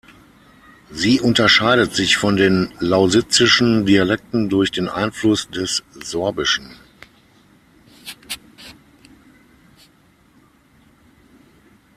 Sie unterscheidet sich von den lausitzischen Dialekten durch den Einfluss des Sorbischen.